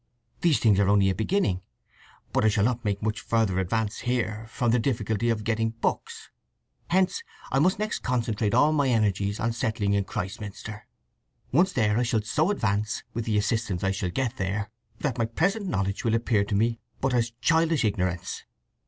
"These things are only a beginning. But I shall not make much farther advance here, from the difficulty of getting books. Hence I must next concentrate all my energies on settling in Christminster. Once there I shall so advance, with the assistance I shall there get, that my present knowledge will appear to me but as childish ignorance.